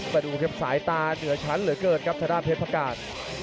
แต่ดูสายตาเหนือชั้นเหลือเกินครับธนาคมเพชรประการ